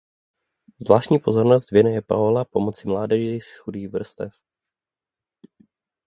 Zvláštní pozornost věnuje Paola pomoci mládeži z chudých vrstev.